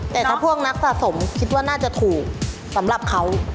แต่ถ้าพวกนักสะสมคิดว่าน่าจะถูกสำหรับเขา